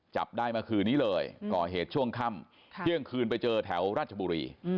จับได้เมื่อคืนนี้เลยก่อเหตุช่วงค่ำเที่ยงคืนไปเจอแถวราชบุรี